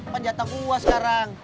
panjatah gua sekarang